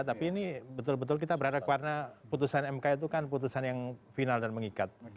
tapi ini betul betul kita berada ke warna putusan mk itu kan putusan yang final dan mengikat